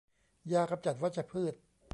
ยากำจัดวัชพืช